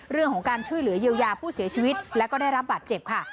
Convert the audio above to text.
เรื่องของการช่วยเหลือเยียวยาผู้เสียชีวิตแล้วก็ได้รับบาดเจ็บค่ะ